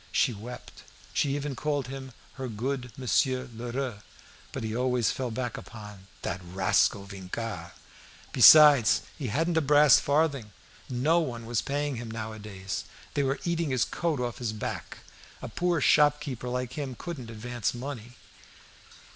She wept; she even called him "her good Monsieur Lheureux." But he always fell back upon "that rascal Vincart." Besides, he hadn't a brass farthing; no one was paying him now a days; they were eating his coat off his back; a poor shopkeeper like him couldn't advance money.